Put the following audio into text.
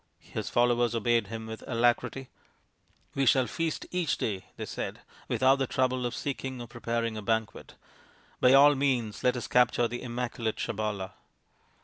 His followers obeyed him with alacrity. " We shall feast each day," they said, " without the trouble of seeking or preparing a banquet. By all means let us capture the immaculate Sabala."